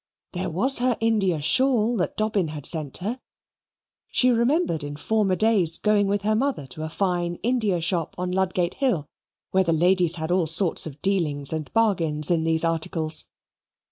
There was her India shawl that Dobbin had sent her. She remembered in former days going with her mother to a fine India shop on Ludgate Hill, where the ladies had all sorts of dealings and bargains in these articles.